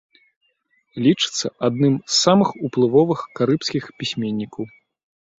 Лічыцца адным з самых уплывовых карыбскіх пісьменнікаў.